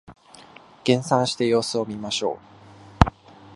減産して様子を見ましょう